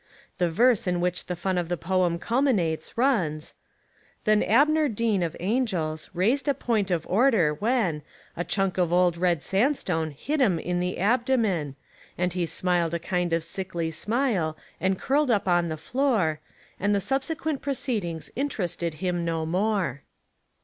The verse in which the fun of the poem culminates runs: 107 Essays and Literary Studies Then Abner Dean, of Angels, raised a point of order, when A chunk of old red sandstone hit him in the abdomen, And he smiled a kind of sickly smile, and curled up on the floor, And the subsequent proceedings interested him no more.